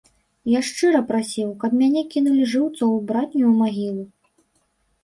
Я шчыра прасіў, каб мяне кінулі жыўцом у братнюю магілу.